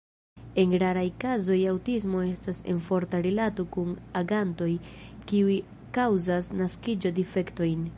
En raraj kazoj aŭtismo estas en forta rilato kun agantoj kiuj kaŭzas naskiĝo-difektojn.